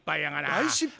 大失敗。